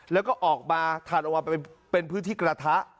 แล้วก็ออกมาถัดออกมาเป็นพื้นที่กระทะ